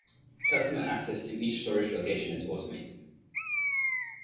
Customer access to each storage location is automated.